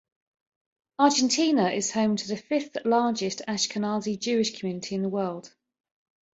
Argentina is home to the fifth largest Ashkenazi Jewish community in the world.